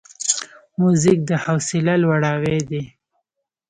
موزیک د حوصله لوړاوی دی.